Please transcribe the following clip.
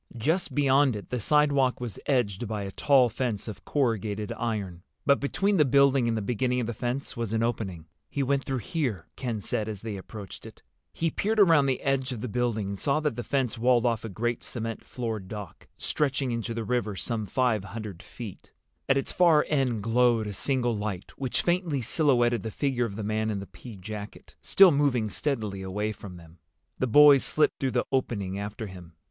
Just beyond it the sidewalk was edged by a tall fence of corrugated iron, but between the building and the beginning of the fence was an opening. "He went through here," Ken said, as they approached it. He peered around the edge of the building and saw that the fence walled off a great cement floored dock, stretching into the river some five hundred feet. At its far end glowed a single light, which faintly silhouetted the figure of the man in the pea jacket, still moving steadily away from them. The boys slipped through the opening after him.